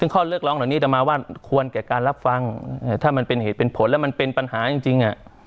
ข้อเรียกร้องเหล่านี้ต่อมาว่าควรแก่การรับฟังถ้ามันเป็นเหตุเป็นผลแล้วมันเป็นปัญหาจริง